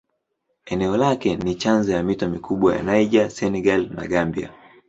Eneo lake ni chanzo ya mito mikubwa ya Niger, Senegal na Gambia.